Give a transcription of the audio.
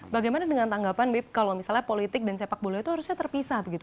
bagaimana dengan tanggapan bip kalau misalnya politik dan sepak bola itu harusnya terpisah begitu